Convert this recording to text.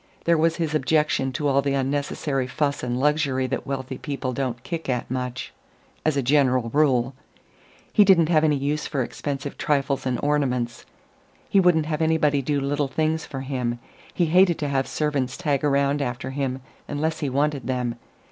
There was his objection to all the unnecessary fuss and luxury that wealthy people don't kick at much, as a general rule. He didn't have any use for expensive trifles and ornaments. He wouldn't have anybody do little things for him; he hated to have servants tag around after him unless he wanted them.